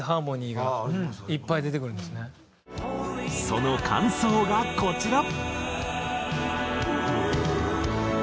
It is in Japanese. その間奏がこちら。